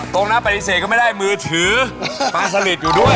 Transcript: ตรงนั้นปฏิเสธก็ไม่ได้มือถือปลาสลิดอยู่ด้วย